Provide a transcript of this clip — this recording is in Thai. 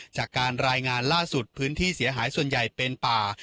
จากการรายงานล่าสุดพื้นที่เสียหายส่วนใหญ่เป็นป่า